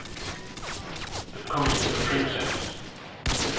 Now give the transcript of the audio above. THE COMING OF THE PRINCESS.